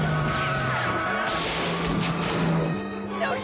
よし！